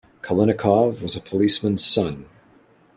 Kalinnikov was a policeman's son.